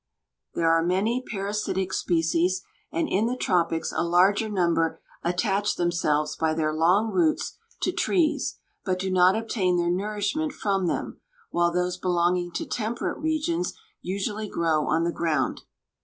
There are many parasitic species, and in the tropics a larger number attach themselves by their long roots to trees, but do not obtain their nourishment from them, while those belonging to temperate regions usually grow on the ground.